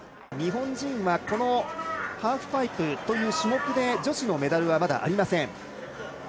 日本人はこのハーフパイプという種目で女子のメダルはまだありません。